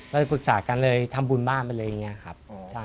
ไปปรึกษากันเลยทำบุญบ้านไปเลยอย่างนี้ครับ